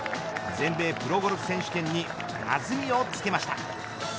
全米プロゴルフ選手権に弾みをつけました。